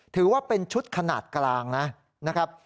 ถือว่าเป็นชุดขนาดกลางนะครับ